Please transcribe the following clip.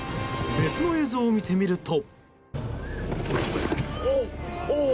別の映像を見てみると。